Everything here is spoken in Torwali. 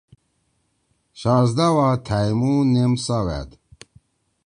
شہزَدا وا تھأئں مُو نیم ساہ وأد۔